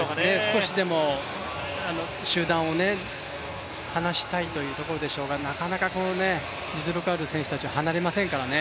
少しでも集団を離したいというところでしょうがなかなかこの実力ある選手たちは離れませんからね。